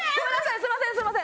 すみませんすみません！